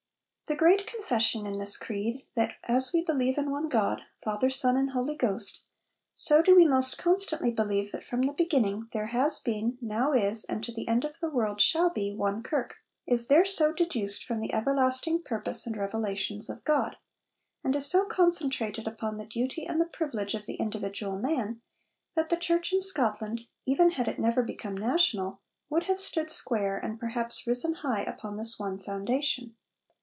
The great confession in this creed that 'as we believe in one God Father, Son, and Holy Ghost so do we most constantly believe that from the beginning there has been, now is, and to the end of the world shall be, one Kirk,' is there so deduced from the everlasting purpose and revelations of God, and is so concentrated upon the duty and the privilege of the individual man, that the church in Scotland, even had it never become national, would have stood square and perhaps risen high upon this one foundation.